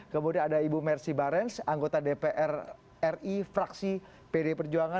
kemudian ada ibu mersi barence anggota dpr ri fraksi pd perjuangan